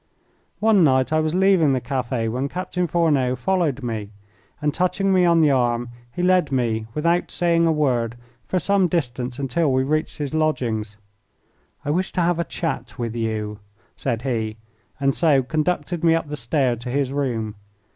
One night I was leaving the cafe when Captain Fourneau followed me, and touching me on the arm he led me without saying a word for some distance until we reached his lodgings. "I wish to have a chat with you," said he, and so conducted me up the stair to his room.